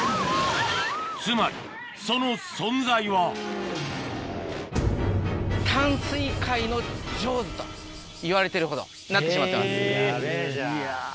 つまりその存在は淡水界のジョーズといわれてるほどなってしまってます。